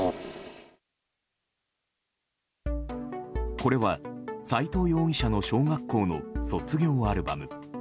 これは斎藤容疑者の小学校の卒業アルバム。